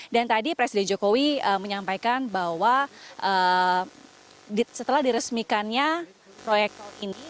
dan tadi presiden jokowi menyampaikan bahwa setelah diresmikannya proyek tol ini